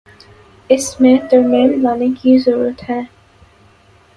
اس میں ترمیم لانے کی ضرورت ہے۔